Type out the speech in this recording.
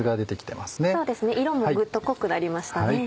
そうですね色もグッと濃くなりましたね。